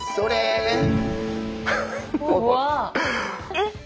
えっ！？